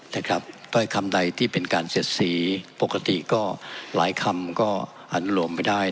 ใช่ครับต้อยคำใดที่เป็นการเศษศีปกติก็หลายคำก็หน้าหลวมแล้วไม่ได้